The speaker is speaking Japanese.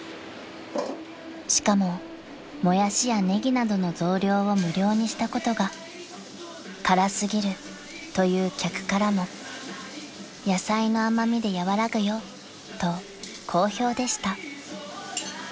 ［しかもモヤシやネギなどの増量を無料にしたことが「辛過ぎる」という客からも「野菜の甘味で和らぐよ」と好評でした］